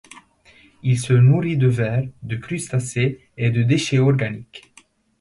Il se nourrit de vers, de crustacés et de déchets organiques.